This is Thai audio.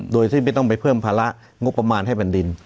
โดยที่ไม่ต้องไปเพิ่มภาระงบประมาณให้แผ่นดิน